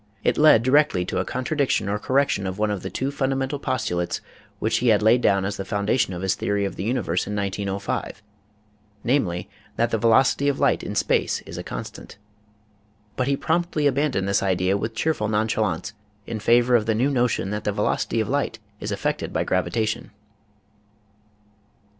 It led directly to a contradiction or correction of one of the two fundamental postulates which he had laid down as the foundation of his theory of the universe in 1905, namely, that the veloc ity of light in space is a constant. But he promptly abandoned this idea with cheerful nonchalance in favor of the new notion that the velocity of light is affected by gravitation.